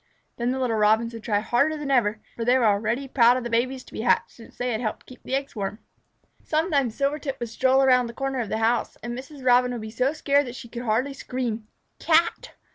Then the little Robins would try harder than ever, for they were already proud of the babies to be hatched, since they had helped keep the eggs warm. Sometimes Silvertip would stroll around the corner of the house, and Mrs. Robin would be so scared that she could hardly scream "Cat!"